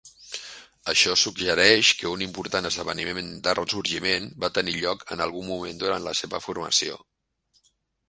Això suggereix que un important esdeveniment de ressorgiment va tenir lloc en algun moment durant la seva formació.